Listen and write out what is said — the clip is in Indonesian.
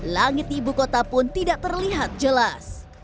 langit ibu kota pun tidak terlihat jelas